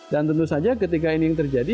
dan tentu saja ketika ini yang terjadi